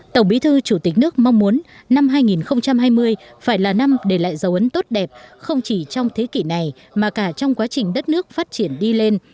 tổng bí thư chủ tịch nước mong muốn năm hai nghìn hai mươi phải là năm để lại dấu ấn tốt đẹp không chỉ trong thế kỷ này mà cả trong quá trình đất nước phát triển đi lên